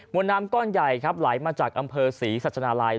วนน้ำก้อนใหญ่ครับไหลมาจากอำเภอศรีสัชนาลัย